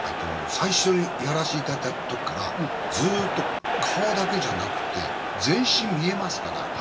最初にやらしていただいた時からずっと顔だけじゃなくて全身見えますから。